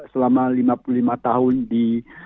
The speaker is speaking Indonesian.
selama lima puluh lima tahun di